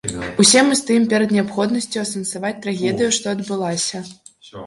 Усе мы стаім перад неабходнасцю асэнсаваць трагедыю, што адбылася.